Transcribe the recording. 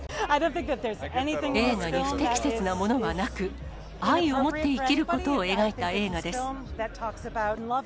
映画に不適切なものはなく、愛をもって生きることを描いた映画です。